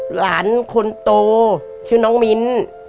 หลานคนโตชื่อน้องมิ้น